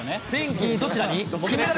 雰囲気、どちらに？